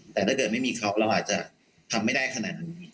แต่ถ้าเกิดไม่มีเขาเราอาจจะทำไม่ได้ขนาดนั้น